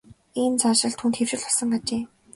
Ийм заншил түүнд хэвшил болсон ажээ.